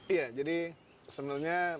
iya jadi sebenarnya penyelidikan